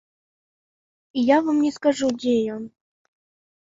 І я вам не скажу, дзе ён.